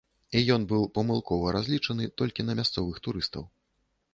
І ён быў памылкова разлічаны толькі на мясцовых турыстаў.